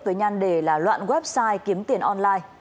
với nhan đề là loạn website kiếm tiền online